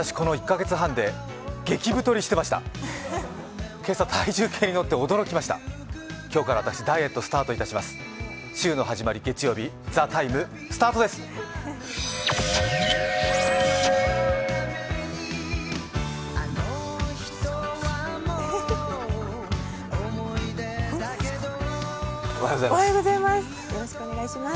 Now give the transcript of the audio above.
月曜日、「ＴＨＥＴＩＭＥ，」スタートです。